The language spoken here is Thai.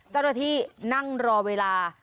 เจ้าหน้าที่นั่งรอเวลา